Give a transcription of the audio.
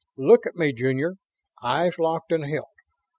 "Look at me, Junior!" Eyes locked and held.